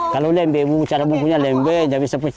kalau lembe cara mempunyai lembe dia bisa pecah